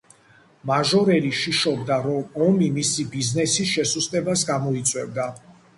მაჟორელი შიშობდა, რომ ომი მისი ბიზნესის შესუსტებას გამოიწვევდა.